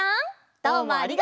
どうもありがとう！